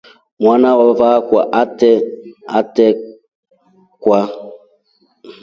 Mwana wamavava akwa atreka.